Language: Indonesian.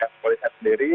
kata kata kepolisian sendiri